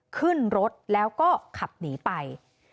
ขึ้นรถแล้วก็ขับหนีไป